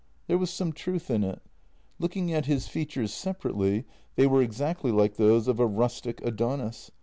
There was some truth in it. Looking at his features sepa rately, they were exactly those of a rustic Adonis.